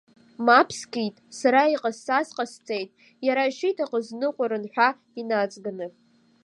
Мап скит, сара иҟасҵаз ҟасҵеит, иара ишиҭахыз дныҟәарын ҳәа инаҵганы.